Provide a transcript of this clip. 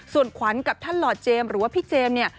ส่วนขวัญกับท่านหล่อเจมส์หรือว่าพี่เจมส์เนี่ย